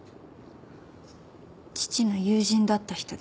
父の友人だった人です。